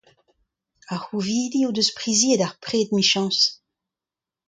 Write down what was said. Ar c'houvidi o deus priziet ar pred emichañs.